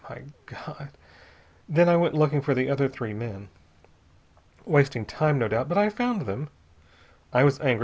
My God!... Then I went looking for the other three men. Wasting time, no doubt, but I found them. I was angry.